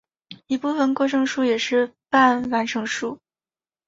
一部分过剩数也是半完全数。